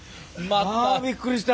あびっくりした。